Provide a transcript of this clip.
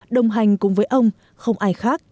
đồng hành cùng với ông không ai khác